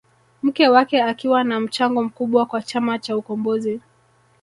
Mke wake akiwa na mchango mkubwa kwa chama cha ukombozi